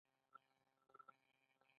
کله چې څوک توکي تولیدوي د پلورلو نیت لري.